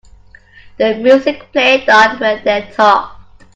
The music played on while they talked.